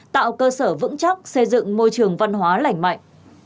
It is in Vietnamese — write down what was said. tạo cơ sở vững chắc xây dựng môi trường văn hóa lành mạnh